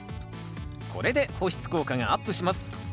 これで保湿効果がアップします。